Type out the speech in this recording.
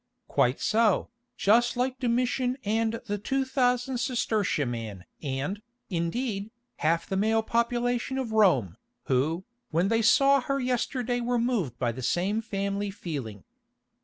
"Quite so, just like Domitian and the two thousand sestertia man and, indeed, half the male population of Rome, who, when they saw her yesterday were moved by the same family feeling.